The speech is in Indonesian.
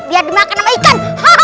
biar dimakan sama ikan